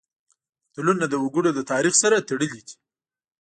متلونه د وګړو د تاریخ سره تړلي دي